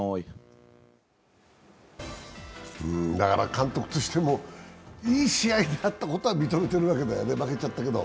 監督としてもいい試合であったことは認めてるわけだよね、負けちゃったけど。